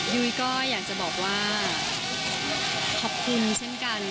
ยุ้ยก็อยากจะบอกว่าขอบคุณเช่นกัน